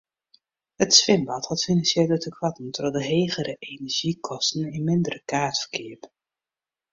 It swimbad hat finansjele tekoarten troch de hegere enerzjykosten en mindere kaartferkeap.